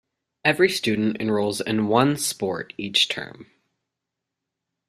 Every student enrolls in one sport each term.